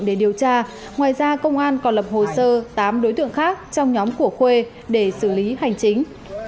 để điều tra ngoài ra công an còn lập hồ sơ tám đối tượng khác trong nhóm của khuê để xử lý hành chính